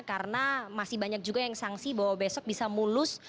karena masih banyak juga yang sangsi bahwa besok bisa mulus